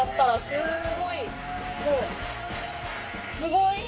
すごい！